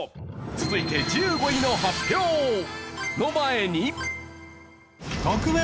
続いて１５位の発表！の前に。